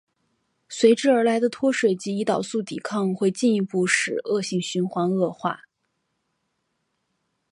随之而来的脱水及胰岛素抵抗会进一步使恶性循环恶化。